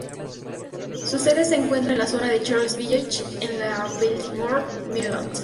Su sede se encuentra en la zona de Charles Village en Baltimore, Maryland.